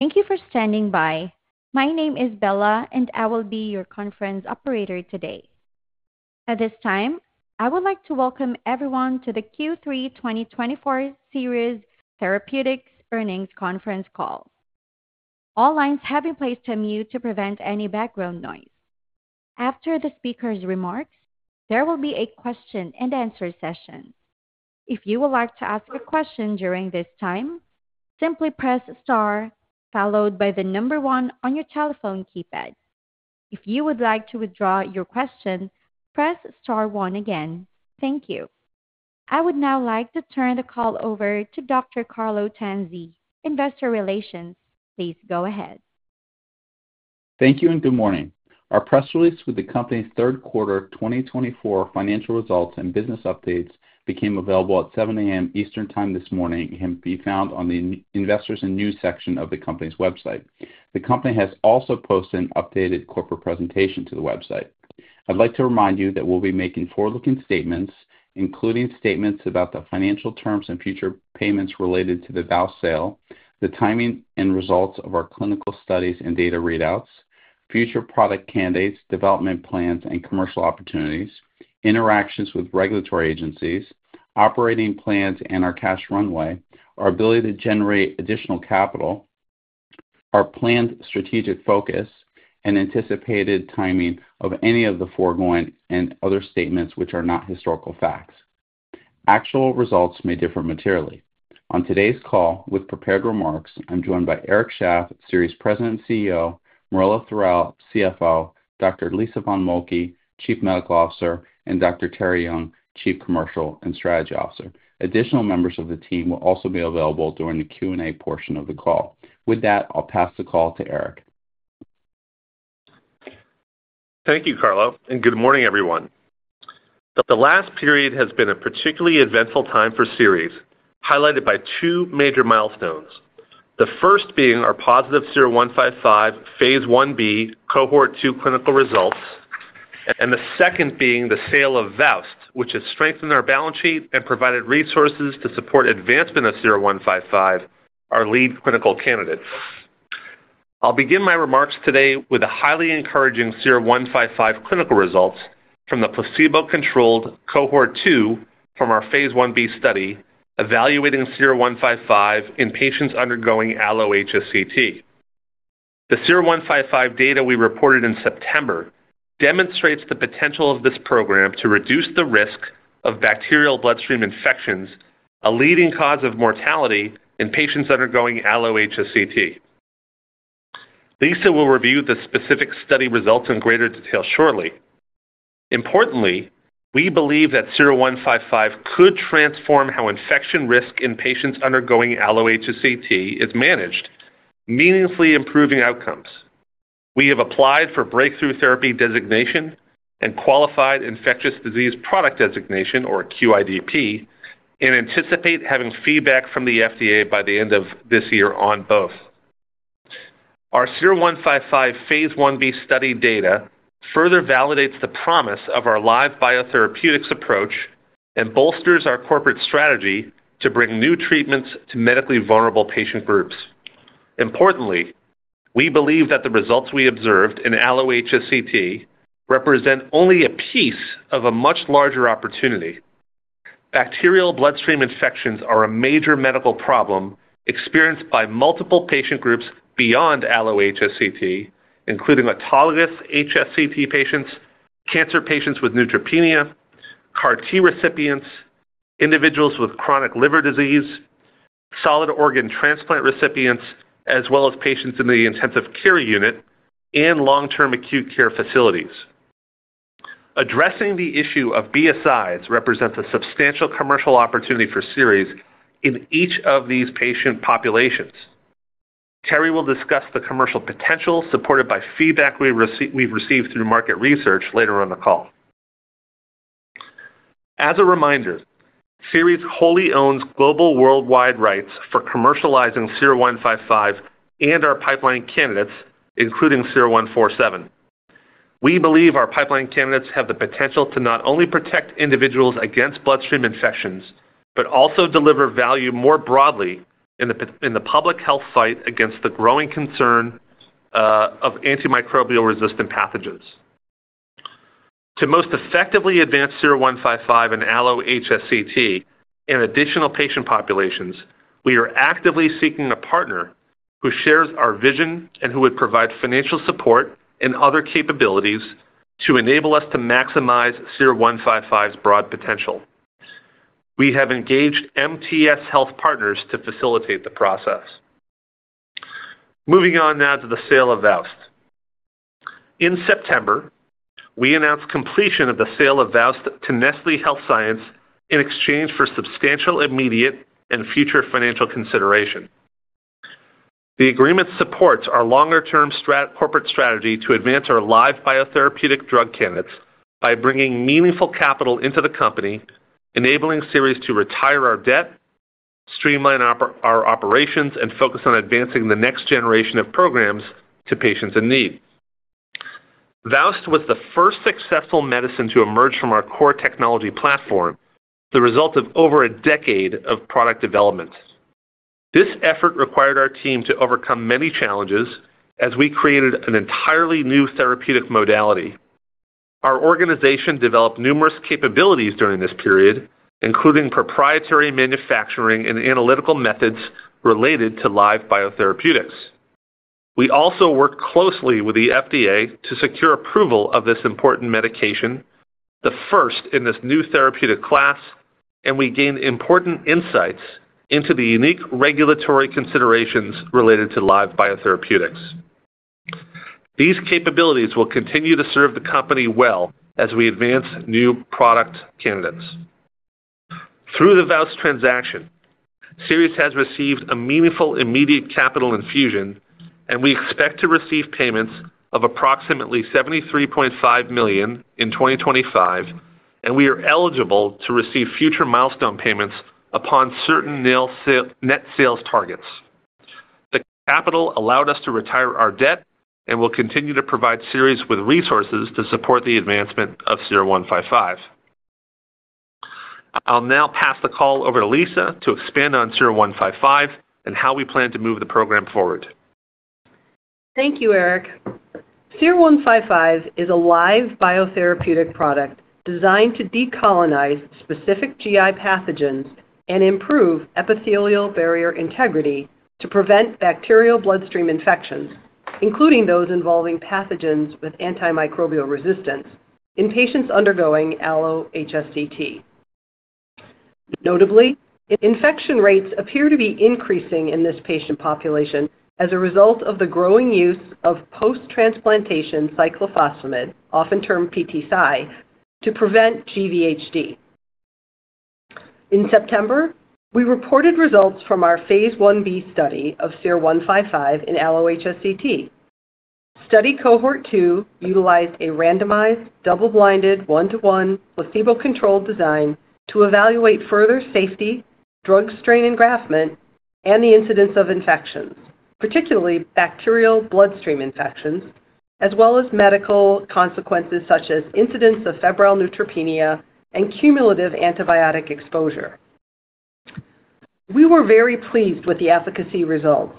Thank you for standing by. My name is Bella, and I will be your conference operator today. At this time, I would like to welcome everyone to the Q3 2024 Seres Therapeutics Earnings Conference Call. All lines have been placed on mute to prevent any background noise. After the speaker's remarks, there will be a question-and-answer session. If you would like to ask a question during this time, simply press star followed by the number one on your telephone keypad. If you would like to withdraw your question, press star one again. Thank you. I would now like to turn the call over to Dr. Carlo Tanzi, Investor Relations. Please go ahead. Thank you and good morning. Our press release with the company's third quarter 2024 financial results and business updates became available at 7:00 A.M. Eastern Time this morning and can be found on the Investors and News section of the company's website. The company has also posted an updated corporate presentation to the website. I'd like to remind you that we'll be making forward-looking statements, including statements about the financial terms and future payments related to the VOWST sale, the timing and results of our clinical studies and data readouts, future product candidates, development plans, and commercial opportunities, interactions with regulatory agencies, operating plans and our cash runway, our ability to generate additional capital, our planned strategic focus, and anticipated timing of any of the foregoing and other statements which are not historical facts. Actual results may differ materially. On today's call, with prepared remarks, I'm joined by Eric Shaff, Seres President and CEO, Marella Thorell, CFO, Dr. Lisa von Moltke, Chief Medical Officer, and Dr. Terri Young, Chief Commercial and Strategy Officer. Additional members of the team will also be available during the Q&A portion of the call. With that, I'll pass the call to Eric. Thank you, Carlo, and good morning, everyone. The last period has been a particularly eventful time for Seres, highlighted by two major milestones. The first being our positive SER-155, phase I-B, cohort two clinical results, and the second being the sale of VOWST, which has strengthened our balance sheet and provided resources to support advancement of SER-155, our lead clinical candidates. I'll begin my remarks today with a highly encouraging SER-155 clinical results from the placebo-controlled cohort two from our phase I-B study evaluating SER-155 in patients undergoing Allo-HSCT. The SER-155 data we reported in September demonstrates the potential of this program to reduce the risk of bacterial bloodstream infections, a leading cause of mortality in patients undergoing Allo-HSCT. Lisa will review the specific study results in greater detail shortly. Importantly, we believe that SER-155 could transform how infection risk in patients undergoing Allo-HSCT is managed, meaningfully improving outcomes. We have applied for Breakthrough Therapy Designation and Qualified Infectious Disease Product designation, or QIDP, and anticipate having feedback from the FDA by the end of this year on both. Our SER-155 phase I-B study data further validates the promise of our live biotherapeutics approach and bolsters our corporate strategy to bring new treatments to medically vulnerable patient groups. Importantly, we believe that the results we observed in Allo-HSCT represent only a piece of a much larger opportunity. Bacterial bloodstream infections are a major medical problem experienced by multiple patient groups beyond Allo-HSCT, including autologous HSCT patients, cancer patients with neutropenia, CAR-T recipients, individuals with chronic liver disease, solid organ transplant recipients, as well as patients in the intensive care unit and long-term acute care facilities. Addressing the issue of BSIs represents a substantial commercial opportunity for Seres in each of these patient populations. Terri will discuss the commercial potential supported by feedback we've received through market research later on the call. As a reminder, Seres wholly owns global worldwide rights for commercializing SER-155 and our pipeline candidates, including SER-147. We believe our pipeline candidates have the potential to not only protect individuals against bloodstream infections but also deliver value more broadly in the public health fight against the growing concern of antimicrobial-resistant pathogens. To most effectively advance SER-155 and Allo-HSCT and additional patient populations, we are actively seeking a partner who shares our vision and who would provide financial support and other capabilities to enable us to maximize SER-155's broad potential. We have engaged MTS Health Partners to facilitate the process. Moving on now to the sale of VOWST. In September, we announced completion of the sale of VOWST to Nestlé Health Science in exchange for substantial immediate and future financial consideration. The agreement supports our longer-term corporate strategy to advance our live biotherapeutic drug candidates by bringing meaningful capital into the company, enabling Seres to retire our debt, streamline our operations, and focus on advancing the next generation of programs to patients in need. VOWST was the first successful medicine to emerge from our core technology platform, the result of over a decade of product development. This effort required our team to overcome many challenges as we created an entirely new therapeutic modality. Our organization developed numerous capabilities during this period, including proprietary manufacturing and analytical methods related to live biotherapeutics. We also worked closely with the FDA to secure approval of this important medication, the first in this new therapeutic class, and we gained important insights into the unique regulatory considerations related to live biotherapeutics. These capabilities will continue to serve the company well as we advance new product candidates. Through the VOWST transaction, Seres has received a meaningful immediate capital infusion, and we expect to receive payments of approximately $73.5 million in 2025, and we are eligible to receive future milestone payments upon certain net sales targets. The capital allowed us to retire our debt and will continue to provide Seres with resources to support the advancement of SER-155. I'll now pass the call over to Lisa to expand on SER-155 and how we plan to move the program forward. Thank you, Eric. SER-155 is a live biotherapeutic product designed to decolonize specific GI pathogens and improve epithelial barrier integrity to prevent bacterial bloodstream infections, including those involving pathogens with antimicrobial resistance in patients undergoing Allo-HSCT. Notably, infection rates appear to be increasing in this patient population as a result of the growing use of post-transplantation cyclophosphamide, often termed PTCy, to prevent GVHD. In September, we reported results from our phase I-B study of SER-155 in Allo-HSCT. Study cohort 2 utilized a randomized, double-blinded, one-to-one placebo-controlled design to evaluate further safety, drug strain engraftment, and the incidence of infections, particularly bacterial bloodstream infections, as well as medical consequences such as incidence of febrile neutropenia and cumulative antibiotic exposure. We were very pleased with the efficacy results.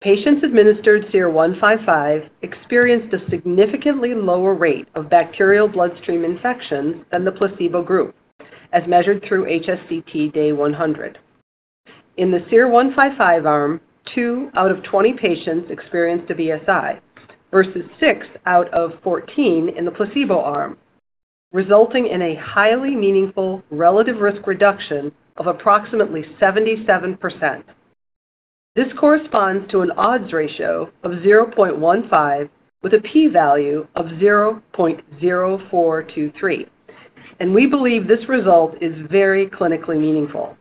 Patients administered SER-155 experienced a significantly lower rate of bacterial bloodstream infections than the placebo group, as measured through HSCT Day 100. In the SER-155 arm, two out of 20 patients experienced a BSI versus six out of 14 in the placebo arm, resulting in a highly meaningful relative risk reduction of approximately 77%. This corresponds to an odds ratio of 0.15 with a p-value of 0.0423, and we believe this result is very clinically meaningful.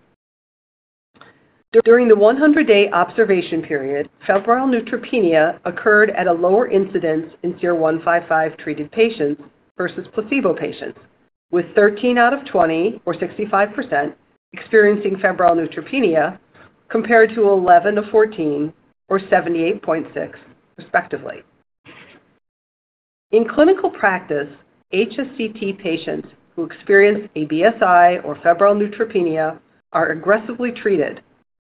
During the 100-day observation period, febrile neutropenia occurred at a lower incidence in SER-155 treated patients versus placebo patients, with 13 out of 20, or 65%, experiencing febrile neutropenia compared to 11 of 14, or 78.6%, respectively. In clinical practice, HSCT patients who experience a BSI or febrile neutropenia are aggressively treated,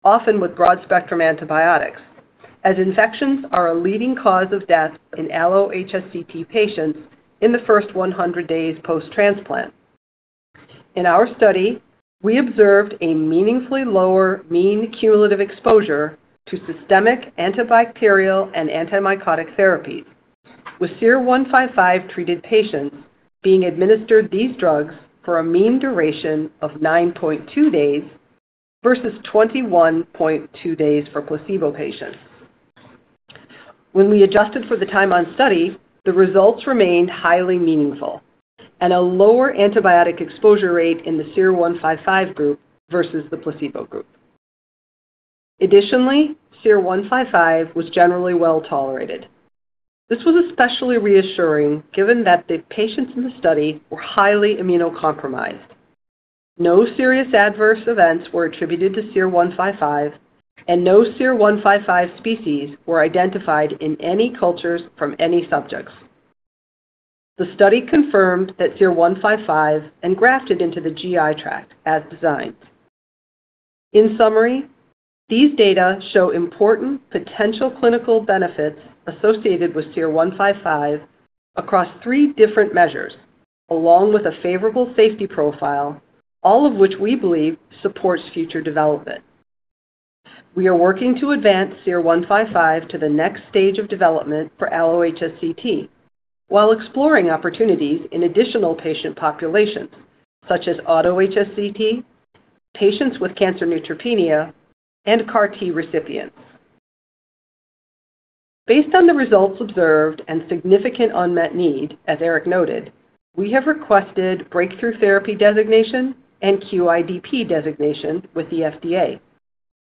often with broad-spectrum antibiotics, as infections are a leading cause of death in Allo-HSCT patients in the first 100 days post-transplant. In our study, we observed a meaningfully lower mean cumulative exposure to systemic antibacterial and antimycotic therapies, with SER-155 treated patients being administered these drugs for a mean duration of 9.2 days versus 21.2 days for placebo patients. When we adjusted for the time on study, the results remained highly meaningful and a lower antibiotic exposure rate in the SER-155 group versus the placebo group. Additionally, SER-155 was generally well tolerated. This was especially reassuring given that the patients in the study were highly immunocompromised. No serious adverse events were attributed to SER-155, and no SER-155 species were identified in any cultures from any subjects. The study confirmed that SER-155 engrafted into the GI tract as designed. In summary, these data show important potential clinical benefits associated with SER-155 across three different measures, along with a favorable safety profile, all of which we believe supports future development. We are working to advance 0155 to the next stage of development for Allo-HSCT while exploring opportunities in additional patient populations, such as Auto-HSCT, patients with cancer neutropenia, and CAR-T recipients. Based on the results observed and significant unmet need, as Eric noted, we have requested breakthrough therapy designation and QIDP designation with the FDA,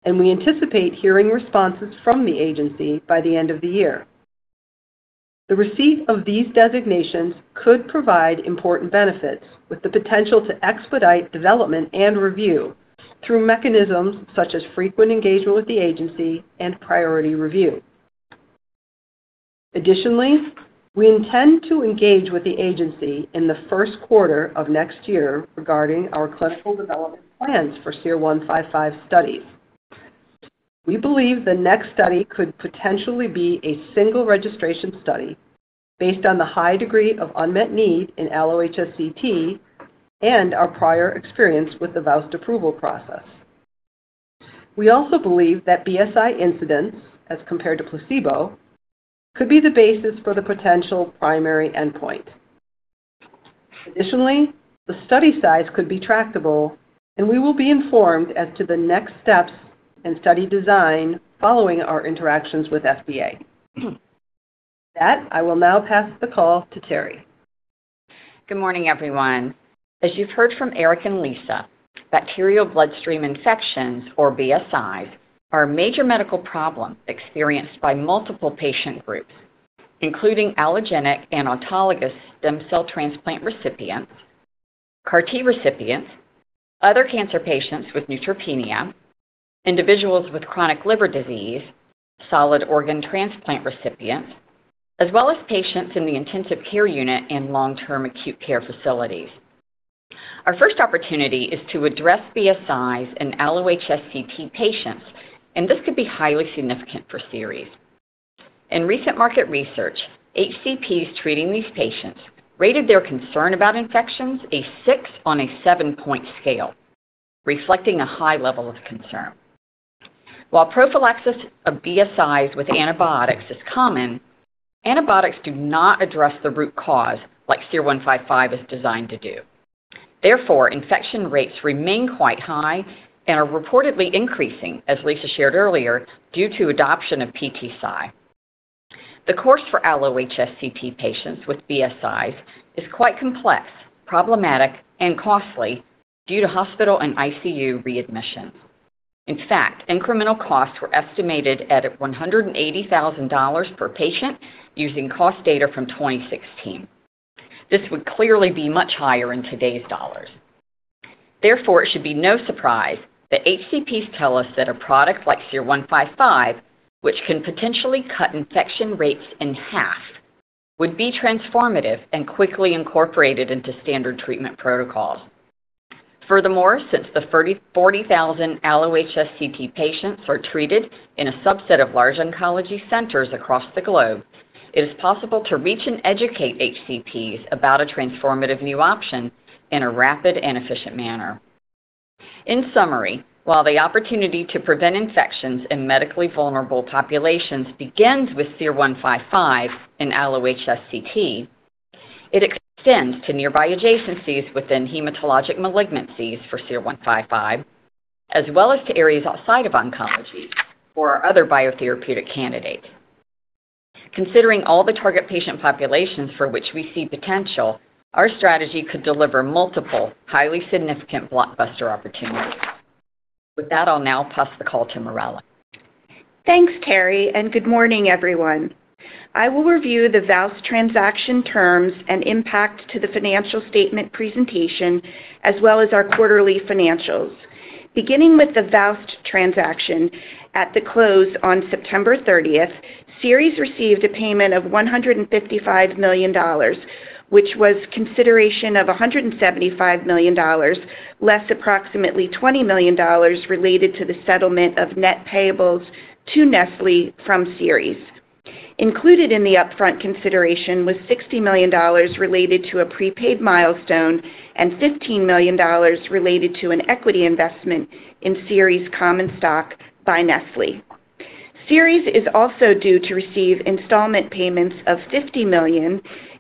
and we anticipate hearing responses from the agency by the end of the year. The receipt of these designations could provide important benefits with the potential to expedite development and review through mechanisms such as frequent engagement with the agency and priority review. Additionally, we intend to engage with the agency in the first quarter of next year regarding our clinical development plans for SER-155 studies. We believe the next study could potentially be a single registration study based on the high degree of unmet need in Allo-HSCT and our prior experience with the VOWST approval process. We also believe that BSI incidence, as compared to placebo, could be the basis for the potential primary endpoint. Additionally, the study size could be tractable, and we will be informed as to the next steps in study design following our interactions with FDA. With that, I will now pass the call to Terri. Good morning, everyone. As you've heard from Eric and Lisa, bacterial bloodstream infections, or BSIs, are a major medical problem experienced by multiple patient groups, including allogeneic and autologous stem cell transplant recipients, CAR-T recipients, other cancer patients with neutropenia, individuals with chronic liver disease, solid organ transplant recipients, as well as patients in the intensive care unit and long-term acute care facilities. Our first opportunity is to address BSIs in Allo-HSCT patients, and this could be highly significant for Seres. In recent market research, HCPs treating these patients rated their concern about infections a six on a seven-point scale, reflecting a high level of concern. While prophylaxis of BSIs with antibiotics is common, antibiotics do not address the root cause like SER-155 is designed to do. Therefore, infection rates remain quite high and are reportedly increasing, as Lisa shared earlier, due to adoption of PTCy. The course for Allo-HSCT patients with BSIs is quite complex, problematic, and costly due to hospital and ICU readmissions. In fact, incremental costs were estimated at $180,000 per patient using cost data from 2016. This would clearly be much higher in today's dollars. Therefore, it should be no surprise that HCPs tell us that a product like 0155, which can potentially cut infection rates in half, would be transformative and quickly incorporated into standard treatment protocols. Furthermore, since the 40,000 Allo-HSCT patients are treated in a subset of large oncology centers across the globe, it is possible to reach and educate HCPs about a transformative new option in a rapid and efficient manner. In summary, while the opportunity to prevent infections in medically vulnerable populations begins with SER-155 in Allo-HSCT, it extends to nearby adjacencies within hematologic malignancies for SER-155, as well as to areas outside of oncology for other biotherapeutic candidates. Considering all the target patient populations for which we see potential, our strategy could deliver multiple, highly significant blockbuster opportunities. With that, I'll now pass the call to Marella. Thanks, Terri, and good morning, everyone. I will review the VOWST transaction terms and impact to the financial statement presentation, as well as our quarterly financials. Beginning with the VOWST transaction, at the close on September 30th, Seres received a payment of $155 million, which was consideration of $175 million, less approximately $20 million related to the settlement of net payables to Nestlé from Seres. Included in the upfront consideration was $60 million related to a prepaid milestone and $15 million related to an equity investment in Seres common stock by Nestlé. Seres is also due to receive installment payments of $50 million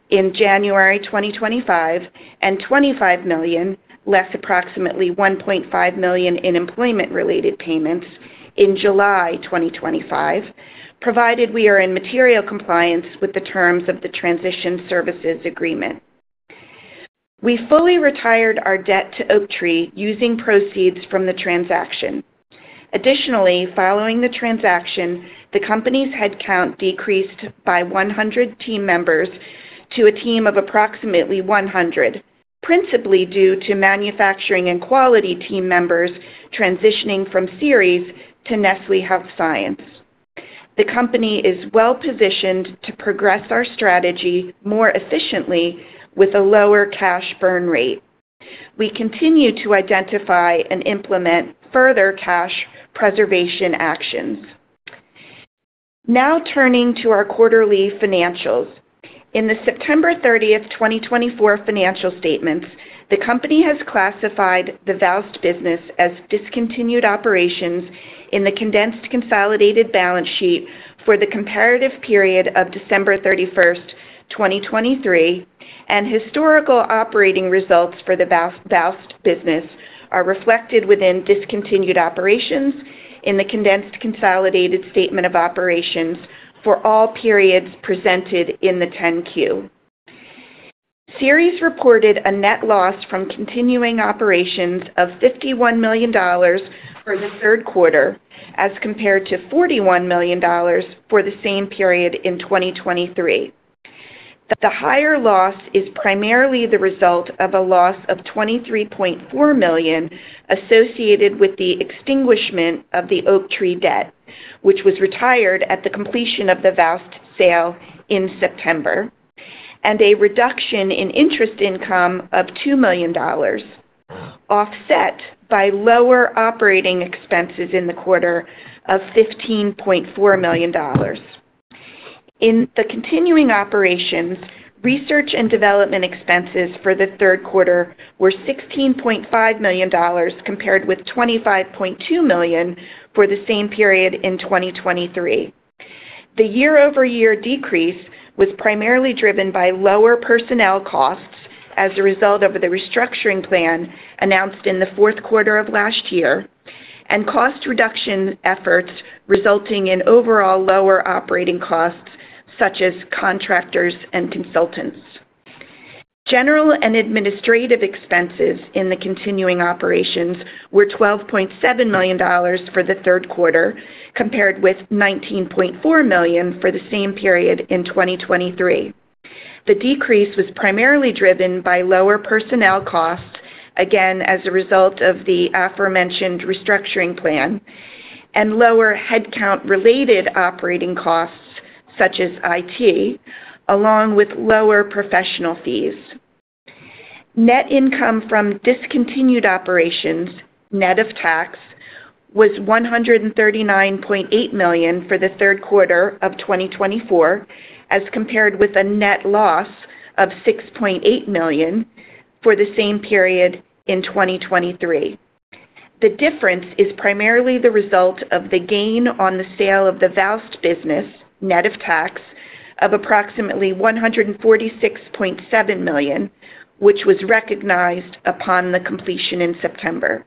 in January 2025 and $25 million, less approximately $1.5 million in employment-related payments, in July 2025, provided we are in material compliance with the terms of the transition services agreement. We fully retired our debt to Oaktree using proceeds from the transaction. Additionally, following the transaction, the company's headcount decreased by 100 team members to a team of approximately 100, principally due to manufacturing and quality team members transitioning from Seres to Nestlé Health Science. The company is well positioned to progress our strategy more efficiently with a lower cash burn rate. We continue to identify and implement further cash preservation actions. Now turning to our quarterly financials. In the September 30th, 2024, financial statements, the company has classified the VOWST business as discontinued operations in the condensed consolidated balance sheet for the comparative period of December 31st, 2023, and historical operating results for the VOWST business are reflected within discontinued operations in the condensed consolidated statement of operations for all periods presented in the 10-Q. Seres reported a net loss from continuing operations of $51 million for the third quarter, as compared to $41 million for the same period in 2023. The higher loss is primarily the result of a loss of $23.4 million associated with the extinguishment of the Oaktree debt, which was retired at the completion of the VOWST sale in September, and a reduction in interest income of $2 million, offset by lower operating expenses in the quarter of $15.4 million. In the continuing operations, research and development expenses for the third quarter were $16.5 million compared with $25.2 million for the same period in 2023. The year-over-year decrease was primarily driven by lower personnel costs as a result of the restructuring plan announced in the fourth quarter of last year and cost reduction efforts resulting in overall lower operating costs, such as contractors and consultants. General and administrative expenses in the continuing operations were $12.7 million for the third quarter, compared with $19.4 million for the same period in 2023. The decrease was primarily driven by lower personnel costs, again as a result of the aforementioned restructuring plan, and lower headcount-related operating costs, such as IT, along with lower professional fees. Net income from discontinued operations, net of tax, was $139.8 million for the third quarter of 2024, as compared with a net loss of $6.8 million for the same period in 2023. The difference is primarily the result of the gain on the sale of the VOWST business, net of tax, of approximately $146.7 million, which was recognized upon the completion in September.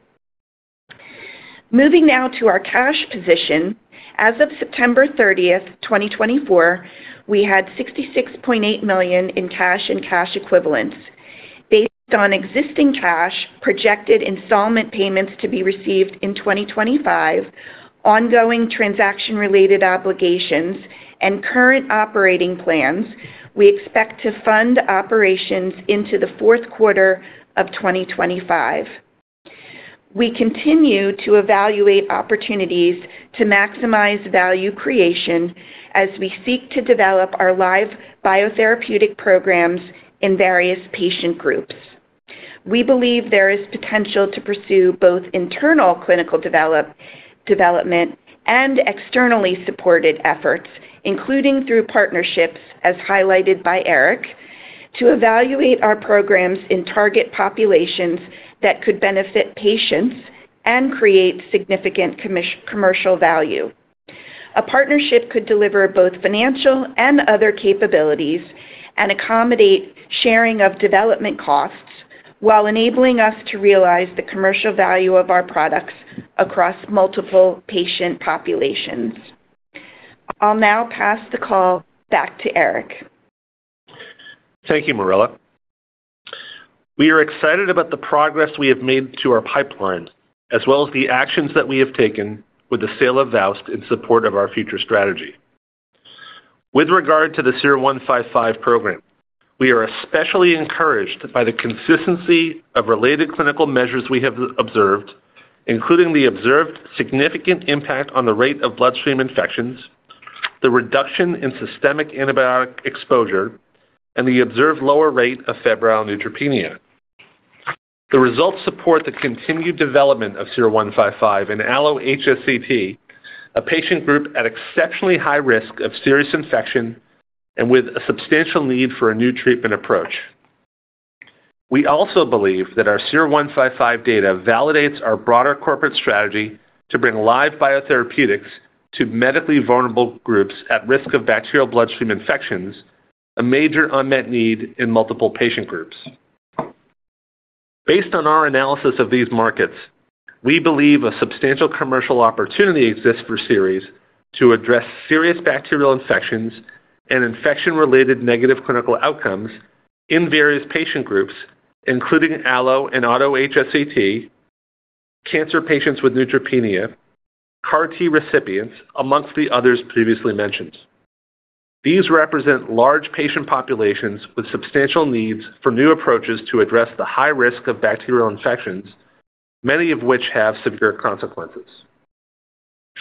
Moving now to our cash position, as of September 30th, 2024, we had $66.8 million in cash and cash equivalents. Based on existing cash, projected installment payments to be received in 2025, ongoing transaction-related obligations, and current operating plans, we expect to fund operations into the fourth quarter of 2025. We continue to evaluate opportunities to maximize value creation as we seek to develop our live biotherapeutic programs in various patient groups. We believe there is potential to pursue both internal clinical development and externally supported efforts, including through partnerships, as highlighted by Eric, to evaluate our programs in target populations that could benefit patients and create significant commercial value. A partnership could deliver both financial and other capabilities and accommodate sharing of development costs while enabling us to realize the commercial value of our products across multiple patient populations. I'll now pass the call back to Eric. Thank you, Marella. We are excited about the progress we have made to our pipeline, as well as the actions that we have taken with the sale of VOWST in support of our future strategy. With regard to the SER-155 program, we are especially encouraged by the consistency of related clinical measures we have observed, including the observed significant impact on the rate of bloodstream infections, the reduction in systemic antibiotic exposure, and the observed lower rate of febrile neutropenia. The results support the continued development of SER-155 in Allo-HSCT, a patient group at exceptionally high risk of serious infection and with a substantial need for a new treatment approach. We also believe that our SER-155 data validates our broader corporate strategy to bring live biotherapeutics to medically vulnerable groups at risk of bacterial bloodstream infections, a major unmet need in multiple patient groups. Based on our analysis of these markets, we believe a substantial commercial opportunity exists for Seres to address serious bacterial infections and infection-related negative clinical outcomes in various patient groups, including allo and auto HSCT, cancer patients with neutropenia, CAR-T recipients, among the others previously mentioned. These represent large patient populations with substantial needs for new approaches to address the high risk of bacterial infections, many of which have severe consequences.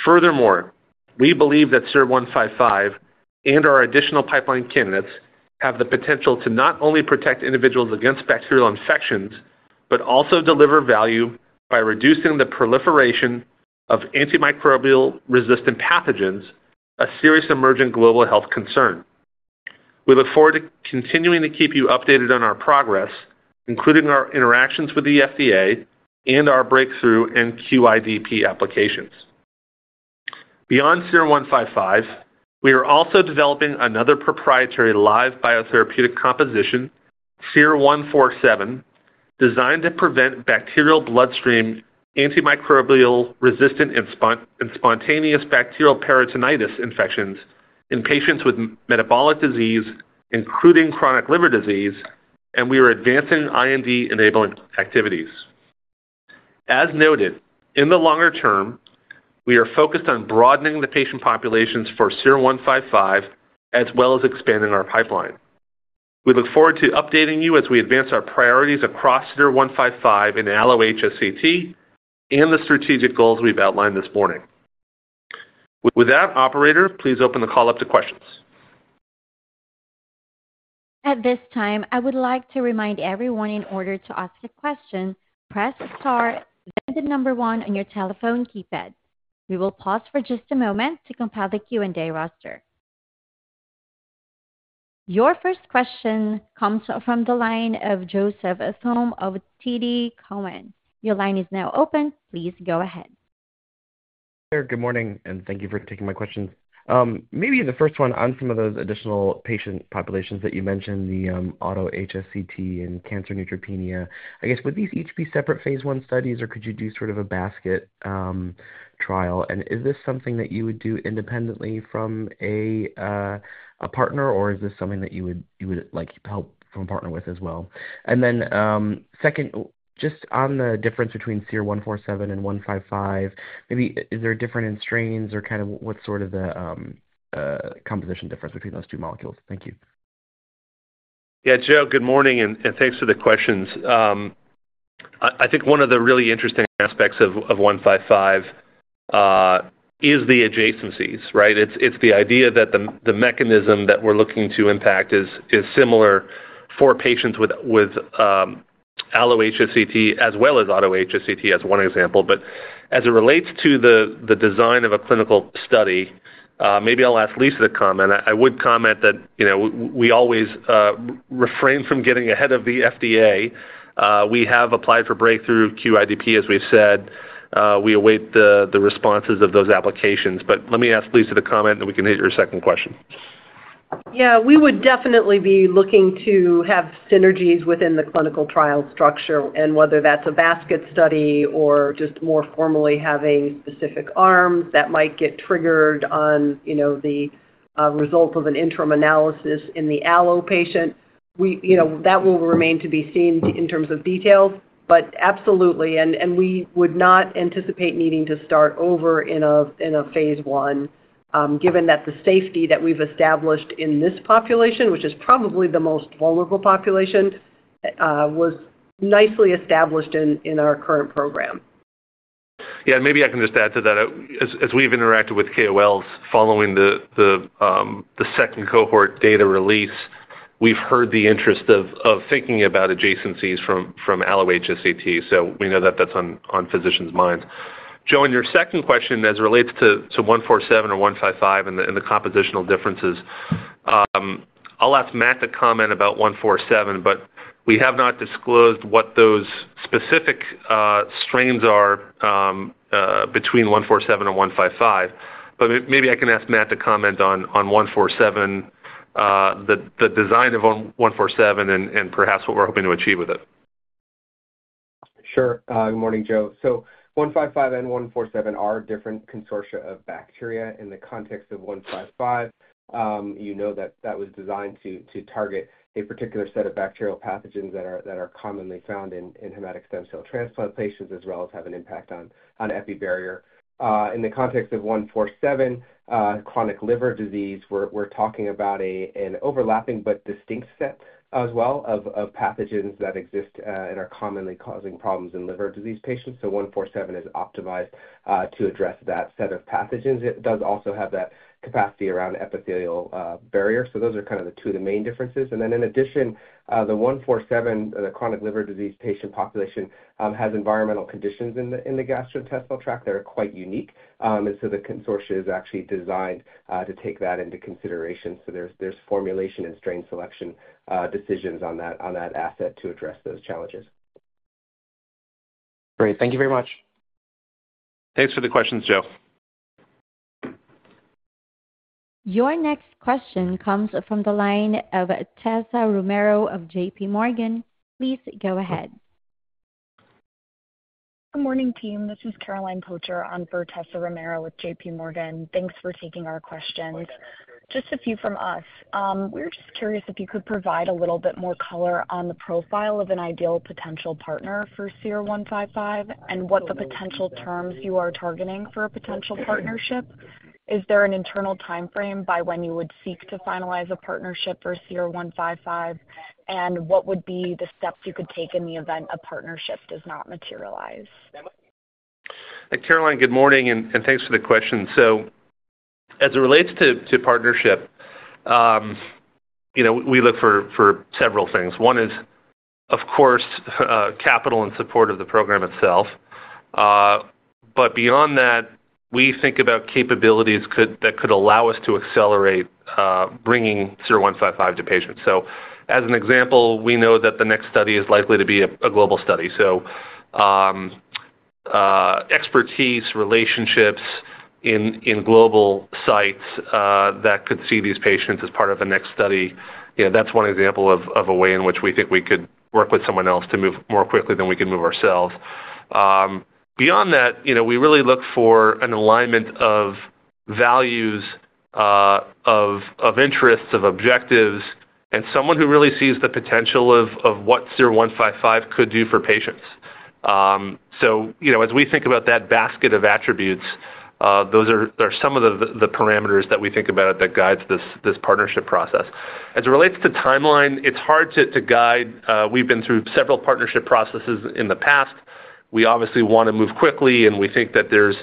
Furthermore, we believe that SER-155 and our additional pipeline candidates have the potential to not only protect individuals against bacterial infections, but also deliver value by reducing the proliferation of antimicrobial-resistant pathogens, a serious emerging global health concern. We look forward to continuing to keep you updated on our progress, including our interactions with the FDA and our breakthrough QIDP applications. Beyond SER-155, we are also developing another proprietary live biotherapeutic composition, SER-147, designed to prevent bacterial bloodstream antimicrobial-resistant and spontaneous bacterial peritonitis infections in patients with metabolic disease, including chronic liver disease, and we are advancing IND-enabling activities. As noted, in the longer term, we are focused on broadening the patient populations for SER-155, as well as expanding our pipeline. We look forward to updating you as we advance our priorities across SER-155 in Allo-HSCT and the strategic goals we've outlined this morning. With that, operator, please open the call up to questions. At this time, I would like to remind everyone in order to ask a question, press star, then the number one on your telephone keypad. We will pause for just a moment to compile the Q&A roster. Your first question comes from the line of Joseph Thome of TD Cowen. Your line is now open. Please go ahead. Hey, Eric. Good morning, and thank you for taking my questions. Maybe in the first one, on some of those additional patient populations that you mentioned, the auto HSCT and cancer neutropenia, I guess, would these each be separate phase I studies, or could you do sort of a basket trial? And is this something that you would do independently from a partner, or is this something that you would help from a partner with as well? And then second, just on the difference between SER-147 and SER-155, maybe is there a difference in strains, or kind of what's sort of the composition difference between those two molecules? Thank you. Yeah, Joe, good morning, and thanks for the questions. I think one of the really interesting aspects of 155 is the adjacencies, right? It's the idea that the mechanism that we're looking to impact is similar for patients with Allo-HSCT, as well as Auto-HSCT, as one example. But as it relates to the design of a clinical study, maybe I'll ask Lisa to comment. I would comment that we always refrain from getting ahead of the FDA. We have applied for breakthrough QIDP, as we said. We await the responses of those applications. But let me ask Lisa to comment, and we can hit your second question. Yeah, we would definitely be looking to have synergies within the clinical trial structure, and whether that's a basket study or just more formally having specific arms that might get triggered on the result of an interim analysis in the allo patient, that will remain to be seen in terms of details. But absolutely, and we would not anticipate needing to start over in a phase I, given that the safety that we've established in this population, which is probably the most vulnerable population, was nicely established in our current program. Yeah, and maybe I can just add to that. As we've interacted with KOLs following the second cohort data release, we've heard the interest of thinking about adjacencies from Allo-HSCT. So we know that that's on physicians' minds. Joe, on your second question, as it relates to 147 or 155 and the compositional differences, I'll ask Matt to comment about 147, but we have not disclosed what those specific strains are between 147 and 155. But maybe I can ask Matt to comment on 147, the design of 147, and perhaps what we're hoping to achieve with it. Sure. Good morning, Joe. So 155 and 147 are different consortia of bacteria. In the context of 155, you know that that was designed to target a particular set of bacterial pathogens that are commonly found in hematopoietic stem cell transplant patients, as well as have an impact on the epithelial barrier. In the context of 147, chronic liver disease, we're talking about an overlapping but distinct set as well of pathogens that exist and are commonly causing problems in liver disease patients. So 147 is optimized to address that set of pathogens. It does also have that capacity around epithelial barrier. So those are kind of the two main differences. And then in addition, the 147, the chronic liver disease patient population, has environmental conditions in the gastrointestinal tract that are quite unique. And so the consortia is actually designed to take that into consideration. So there's formulation and strain selection decisions on that asset to address those challenges. Great. Thank you very much. Thanks for the questions, Joe. Your next question comes from the line of Tessa Romero of J.P. Morgan. Please go ahead. Good morning, team. This is Caroline Palomeque on for Tessa Romero with J.P. Morgan. Thanks for taking our questions. Just a few from us. We're just curious if you could provide a little bit more color on the profile of an ideal potential partner for SER-155 and what the potential terms you are targeting for a potential partnership. Is there an internal timeframe by when you would seek to finalize a partnership for SER-155, and what would be the steps you could take in the event a partnership does not materialize? Caroline, good morning, and thanks for the question. So as it relates to partnership, we look for several things. One is, of course, capital and support of the program itself. But beyond that, we think about capabilities that could allow us to accelerate bringing SER-155 to patients. So as an example, we know that the next study is likely to be a global study. So expertise relationships in global sites that could see these patients as part of a next study, that's one example of a way in which we think we could work with someone else to move more quickly than we can move ourselves. Beyond that, we really look for an alignment of values, of interests, of objectives, and someone who really sees the potential of what SER-155 could do for patients. So as we think about that basket of attributes, those are some of the parameters that we think about that guide this partnership process. As it relates to timeline, it's hard to guide. We've been through several partnership processes in the past. We obviously want to move quickly, and we think that there's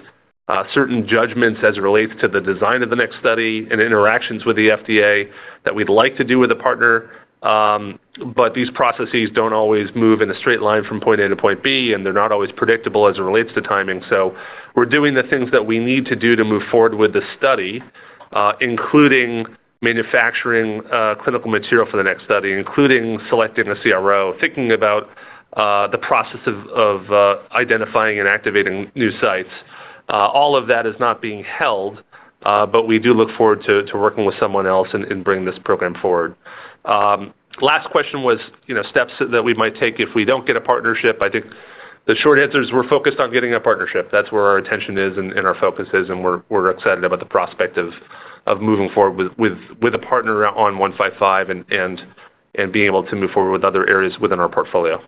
certain judgments as it relates to the design of the next study and interactions with the FDA that we'd like to do with a partner. But these processes don't always move in a straight line from point A to point B, and they're not always predictable as it relates to timing. So we're doing the things that we need to do to move forward with the study, including manufacturing clinical material for the next study, including selecting a CRO, thinking about the process of identifying and activating new sites. All of that is not being held, but we do look forward to working with someone else and bringing this program forward. Last question was steps that we might take if we don't get a partnership. I think the short answer is we're focused on getting a partnership. That's where our attention is and our focus is, and we're excited about the prospect of moving forward with a partner on 155 and being able to move forward with other areas within our portfolio.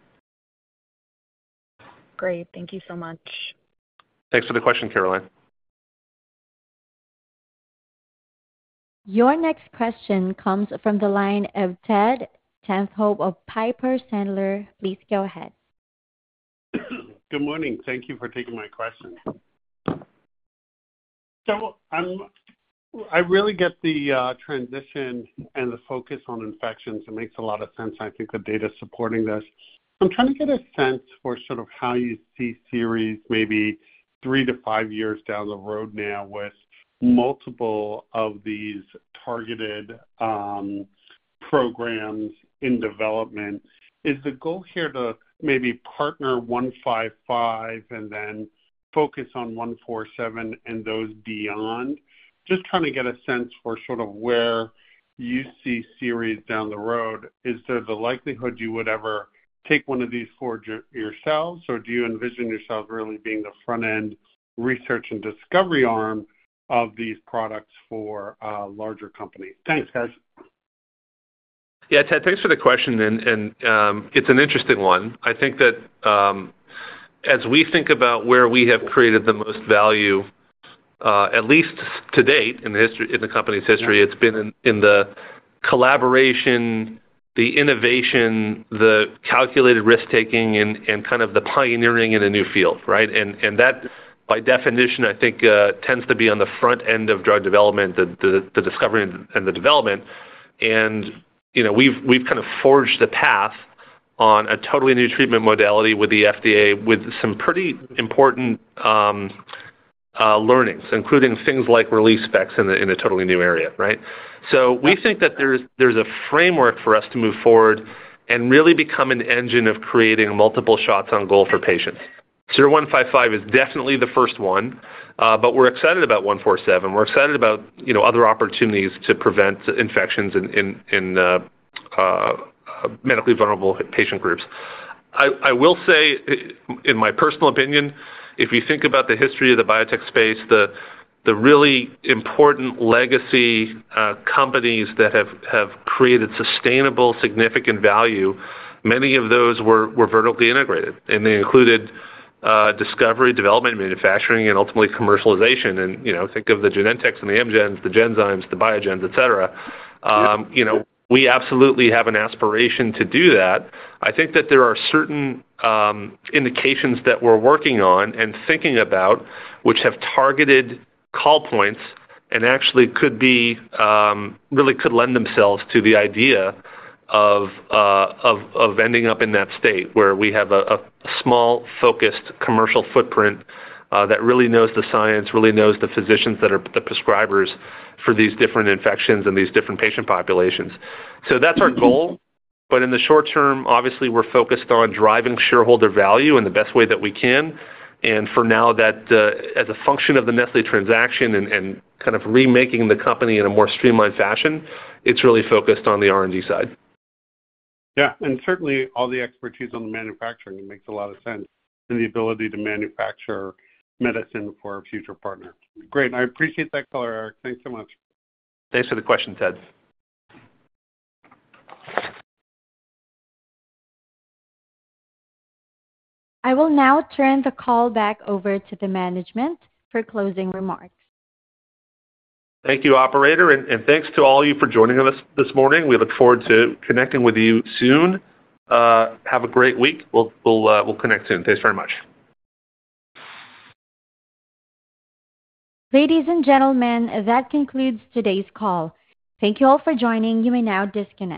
Great. Thank you so much. Thanks for the question, Caroline. Your next question comes from the line of Ted Tenthoff of Piper Sandler. Please go ahead. Good morning. Thank you for taking my question. So I really get the transition and the focus on infections. It makes a lot of sense. I think the data supporting this. I'm trying to get a sense for sort of how you see Seres, maybe three to five years down the road now with multiple of these targeted programs in development. Is the goal here to maybe partner 155 and then focus on 147 and those beyond? Just trying to get a sense for sort of where you see Seres down the road. Is there the likelihood you would ever take one of these for yourselves, or do you envision yourselves really being the front-end research and discovery arm of these products for larger companies? Thanks, guys. Yeah, Ted, thanks for the question. And it's an interesting one. I think that as we think about where we have created the most value, at least to date in the company's history, it's been in the collaboration, the innovation, the calculated risk-taking, and kind of the pioneering in a new field, right? And that, by definition, I think tends to be on the front end of drug development, the discovery and the development. And we've kind of forged the path on a totally new treatment modality with the FDA with some pretty important learnings, including things like release specs in a totally new area, right? So we think that there's a framework for us to move forward and really become an engine of creating multiple shots on goal for patients. SER-155 is definitely the first one, but we're excited about SER-147. We're excited about other opportunities to prevent infections in medically vulnerable patient groups. I will say, in my personal opinion, if you think about the history of the biotech space, the really important legacy companies that have created sustainable significant value, many of those were vertically integrated, and they included discovery, development, manufacturing, and ultimately commercialization, and think of the Genentech and the Amgens, the Genzymes, the Biogens, etc. We absolutely have an aspiration to do that. I think that there are certain indications that we're working on and thinking about which have targeted call points and actually really could lend themselves to the idea of ending up in that state where we have a small-focused commercial footprint that really knows the science, really knows the physicians that are the prescribers for these different infections and these different patient populations, so that's our goal. But in the short term, obviously, we're focused on driving shareholder value in the best way that we can. And for now, as a function of the Nestlé transaction and kind of remaking the company in a more streamlined fashion, it's really focused on the R&D side. Yeah. And certainly, all the expertise on the manufacturing makes a lot of sense and the ability to manufacture medicine for a future partner. Great. I appreciate that, Carlo, Eric. Thanks so much. Thanks for the question, Ted. I will now turn the call back over to the management for closing remarks. Thank you, operator, and thanks to all you for joining us this morning. We look forward to connecting with you soon. Have a great week. We'll connect soon. Thanks very much. Ladies and gentlemen, that concludes today's call. Thank you all for joining. You may now disconnect.